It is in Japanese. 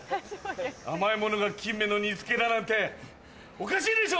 甘いものが金目の煮付けだなんておかしいでしょ！